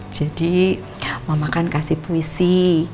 jadi mama kan kasih puisi